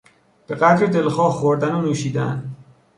به قدر دلخواه خوردن و نوشیدن